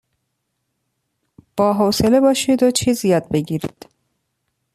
با حوصله باشید و چیز یاد بگیرید.